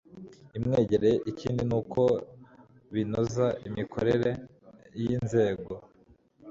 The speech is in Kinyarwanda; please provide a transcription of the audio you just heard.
imwegereye ikindi ni uko binoza imikorere y inzego